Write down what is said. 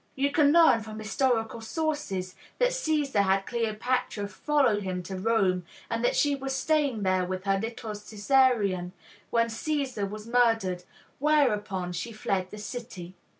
You can learn from historical sources that Caesar had Cleopatra follow him to Rome, and that she was staying there with her little Caesarion when Caesar was murdered, whereupon she fled the city.